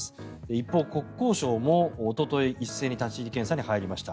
一方、国交省もおととい一斉に立ち入り検査に入りました。